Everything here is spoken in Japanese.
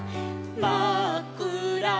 「まっくら